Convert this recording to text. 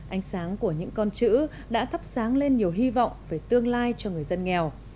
ánh sáng của những con chữ đã thắp sáng lên nhiều hy vọng về tương lai cho người dân nghèo